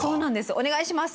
お願いします。